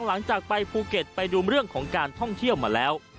หลังจากไปภูเก็ตไปดูเรื่องของการท่องเที่ยวมาแล้ว